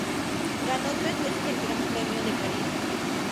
Ganó tres veces el Gran Premio de París.